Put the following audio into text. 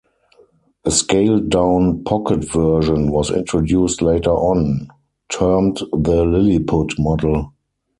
A scaled down pocket version was introduced later on, termed the "Lilliput" model.